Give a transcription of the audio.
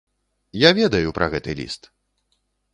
Я ведаю пра гэты ліст!